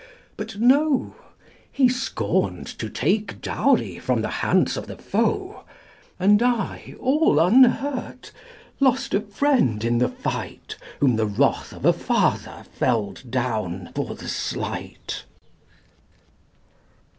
But no; He scorned to take dowry from hands of the foe, And I, all unhurt, lost a friend in the fight, Whom the wrath of a father felled down for the slight.